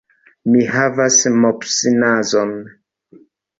Mi havas mopsnazon.